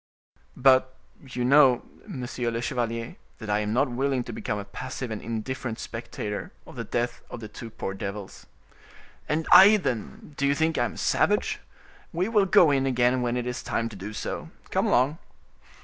"But you know, monsieur le chevalier, that I am not willing to become a passive and indifferent spectator of the death of the two poor devils." "And I, then—do you think I am a savage? We will go in again, when it is time to do so. Come along!"